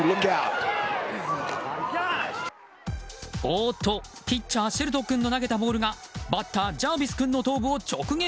おっと、ピッチャーシェルトン君の投げたボールがバッター、ジャービス君の頭部を直撃。